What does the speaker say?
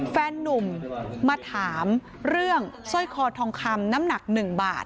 แฟนนุ่มมาถามเรื่องสร้อยคอทองคำน้ำหนัก๑บาท